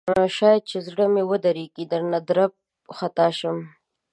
شاید چې زړه مې ودریږي درنه درب خطا شم